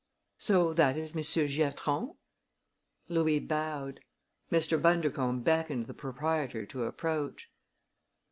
"So that is Monsieur Giatron?" Louis bowed. Mr. Bundercombe beckoned the proprietor to approach.